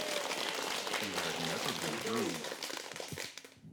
He had never been proved.